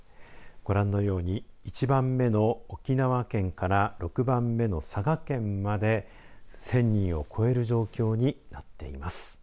ご覧のように１番目の沖縄県から６番目の佐賀県まで１０００人を超える状況になっています。